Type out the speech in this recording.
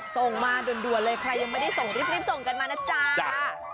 ส่งมาด่วนเลยใครยังไม่ได้ส่งรีบส่งกันมานะจ้า